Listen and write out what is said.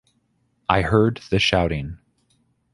I heard the shouting.